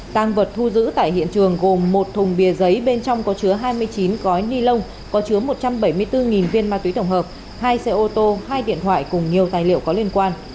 tăng vật thu giữ tại hiện trường gồm một thùng bia giấy bên trong có chứa hai mươi chín gói ni lông có chứa một trăm bảy mươi bốn viên ma túy tổng hợp hai xe ô tô hai điện thoại cùng nhiều tài liệu có liên quan